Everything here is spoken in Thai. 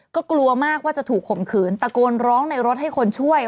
ก็กลัวมากว่าจะถูกข่มขืนตะโกนร้องในรถให้คนช่วย